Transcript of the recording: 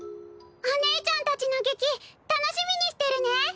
おねえちゃんたちの劇楽しみにしてるね。